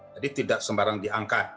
jadi tidak sembarang diangkat